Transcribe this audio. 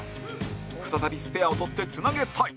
再びスペアを取ってつなげたい